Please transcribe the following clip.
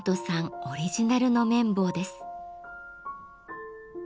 オリジナルの麺棒です。